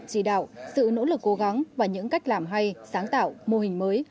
chỉ đạo sự nỗ lực cố gắng và những cách làm hay sáng tạo mô hình mới